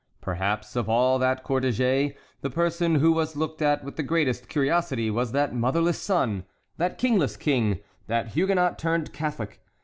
Perhaps of all that cortège, the person who was looked at with the greatest curiosity was that motherless son, that kingless king, that Huguenot turned Catholic.